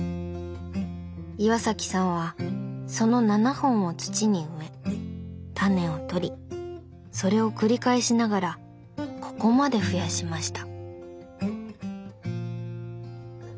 岩さんはその７本を土に植えタネをとりそれを繰り返しながらここまで増やしました。